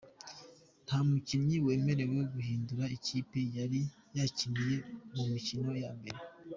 Nta mukinnyi wemerewe guhindura ikipe yari yakiniye mu mikino ya mbere.